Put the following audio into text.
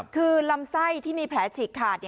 คือลำไส้ที่มีแผลฉีกขาด